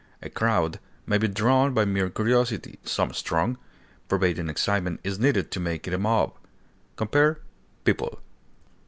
A crowd may be drawn by mere curiosity; some strong, pervading excitement is needed to make it a mob. Compare PEOPLE.